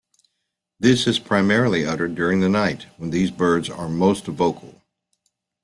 This is primarily uttered during the night, when these birds are most vocal.